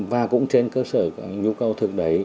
và cũng trên cơ sở nhu cầu thực đấy